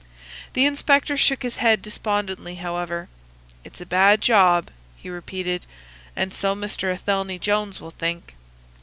The inspector shook his head despondently, however. "It's a bad job," he repeated; "and so Mr. Athelney Jones will think."